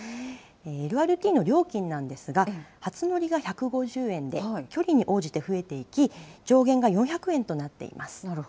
ＬＲＴの料金なんですが、初乗りが１５０円で、距離に応じて増えていき、上限が４００円となっています。